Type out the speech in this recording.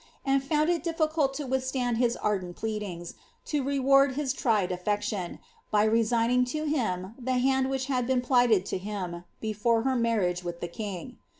and found it difiicult to withstand his ardent pleadings to re 1 his tried affection, by resigning to him the hand which had been bled to him, before her marriage with the king.